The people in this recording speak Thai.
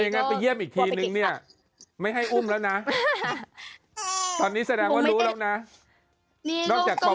อย่างนวดนานค่ะไม่ได้บวชนานมากค่ะเขาตั้งใจมาก